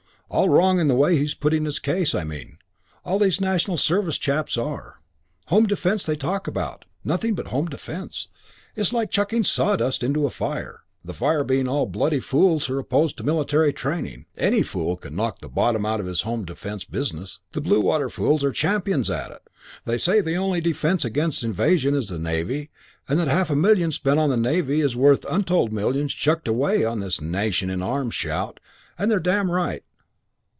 "All wrong in the way he's putting his case, I mean. All these National Service chaps are. Home defence they talk about, nothing but Home Defence. It's like chucking sawdust into a fire the fire being all the bloody fools who are opposed to military training. Any fool can knock the bottom out of this Home Defence business. The Blue Water fools are champions at it. They say the only defence against invasion is the Navy and that half a million spent on the Navy is worth untold millions chucked away on this 'Nation in Arms' shout. And they're damn right."